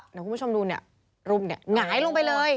เดี๋ยวคุณผู้ชมดูเนี่ยรุมเนี่ยหงายลงไปเลย